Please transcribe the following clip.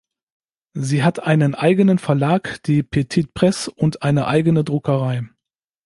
Sie hat einen eigenen Verlag, die Petit Press und eine eigene Druckerei.